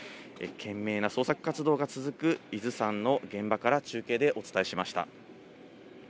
懸命な捜索活動が続く伊豆山の現場から中継でお伝えしました。